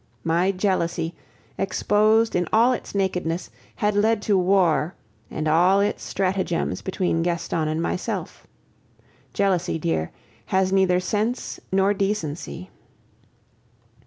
My jealousy, exposed in all its nakedness, had led to war and all its stratagems between Gaston and myself. Jealousy, dear, has neither sense nor decency.